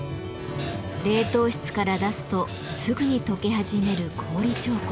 冷凍室から出すとすぐにとけ始める氷彫刻。